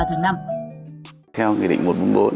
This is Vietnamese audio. theo nghị định một trăm bốn mươi bốn